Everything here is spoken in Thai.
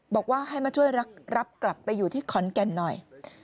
บอกว่าให้มาช่วยรับกลับไปอยู่ที่ขอนแก่นหน่อย